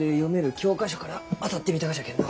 教科書から当たってみたがじゃけんど。